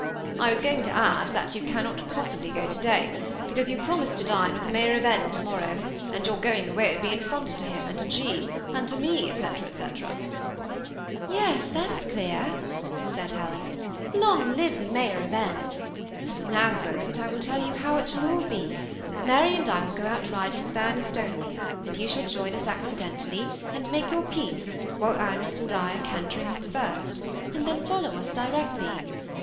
" I was going to add that yon cannot possibly go to day, because you promised to dine with the Mayor of N to morrow, and your going away would be an affront to him and to G. and to me," &c, &c "Yes, that is clear," said Helen. "Long live the Mayor of N ! and now, Beaufort, I will tell you how it shall all be. Mary and I will go out riding with Ernest only, and you shall join us accidentally, and make your peace while Ernest and I are cantering on first ; and then follow us directly.